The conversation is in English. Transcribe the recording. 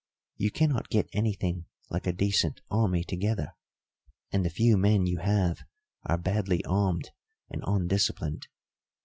You cannot get anything like a decent army together, and the few men you have are badly armed and undisciplined.